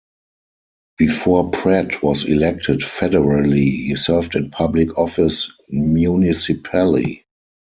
Before Pratt was elected federally, he served in public office municipally.